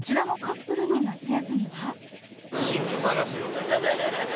新居探しを。